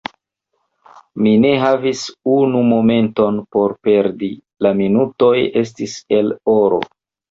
Mi ne havis unu momenton por perdi: la minutoj estis el oro.